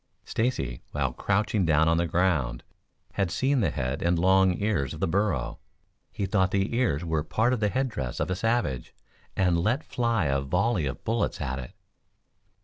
Stacy, while crouching down on the ground, had seen the head and long ears of the burro. He thought the ears were part of the head dress of a savage and let fly a volley of bullets at it.